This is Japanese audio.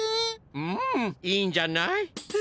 うんいいんじゃない？え！